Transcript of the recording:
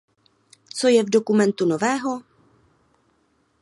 Co je v dokumentu nového?